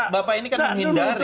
bapak ini kan menghindari